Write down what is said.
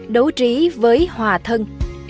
đấu trí với hòa thân